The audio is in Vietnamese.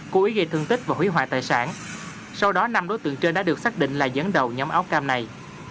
cố ý gây thương tích và hủy hoại tài sản sau đó năm đối tượng trên đã được xác định là dẫn đầu nhóm áo cam này